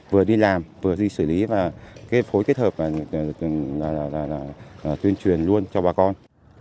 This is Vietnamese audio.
vừa đi làm vừa đi xử lý và phối kết hợp là thuyền truyền luôn cho bà con